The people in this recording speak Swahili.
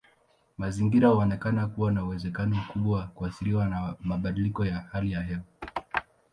Mazingira huonekana kuwa na uwezekano mkubwa wa kuathiriwa na mabadiliko ya hali ya hewa.